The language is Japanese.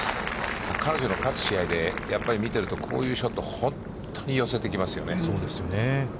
彼女の勝つ試合、やっぱり見ているとこういうショットは本当に寄せてきますよね。